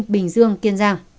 bình dương kiên giang